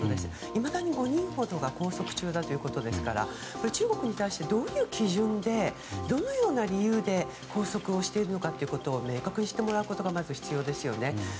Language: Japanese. いまだに５人ほどが拘束中だということですから中国に対してどういう基準でどのような理由で拘束しているのかということを明確にしてもらうことがまず必要ですね。